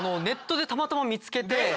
ネットでたまたま見つけて。